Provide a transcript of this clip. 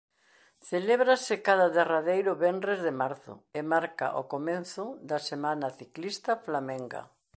Celébrase cada derradeiro venres de marzo e marca o comezo da Semana Ciclista Flamenga.